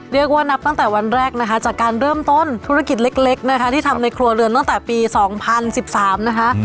เรียกว่านับตั้งแต่วันแรกนะคะจากการเริ่มต้นธุรกิจเล็กนะคะที่ทำในครัวเรือนตั้งแต่ปี๒๐๑๓นะคะ